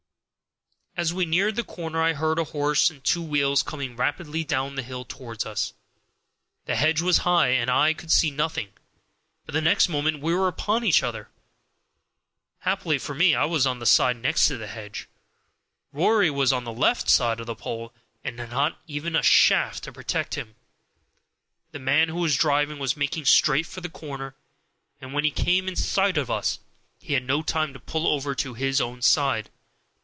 As we neared the corner I heard a horse and two wheels coming rapidly down the hill toward us. The hedge was high, and I could see nothing, but the next moment we were upon each other. Happily for me, I was on the side next the hedge. Rory was on the left side of the pole, and had not even a shaft to protect him. The man who was driving was making straight for the corner, and when he came in sight of us he had no time to pull over to his own side.